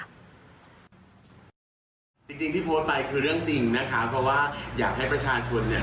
จริงที่โพสต์ไปคือเรื่องจริงนะคะเพราะว่าอยากให้ประชาชนเนี่ย